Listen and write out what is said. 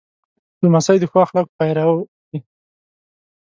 لمسی د ښو اخلاقو پیرو وي.